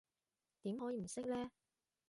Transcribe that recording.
點可以唔識呢？